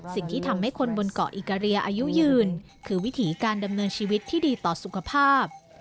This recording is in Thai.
สิ่งที่ทำให้คนบนเกาะอิกาเรียอายุยืนคือวิถีการดำเนินชีวิตที่ดีต่อสุขภาพ